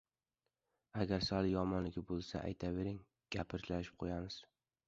— Agar sal yomonligi bo‘lsa aytabering, gapirishib qo‘yamiz?